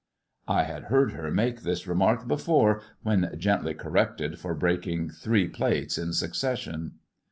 I had heard her make this remark before when gently corrected for breaking three plates in succession.